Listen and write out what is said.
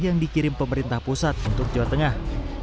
yang dikirim pemerintah pusat untuk jawa tengah